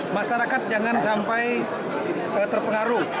masyarakat jangan sampai terpengaruh